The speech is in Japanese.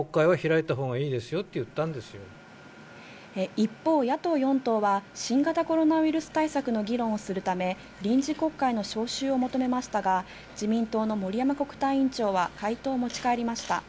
一方、野党４党は新型コロナウイルス対策の議論をするため、臨時国会の召集を求めましたが、自民党の森山国対委員長は回答を持ち帰りました。